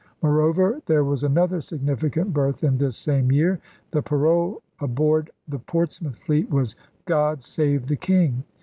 Moreover, there was another significant birth in this same year. The parole aboard the Portsmouth fleet was God save the King!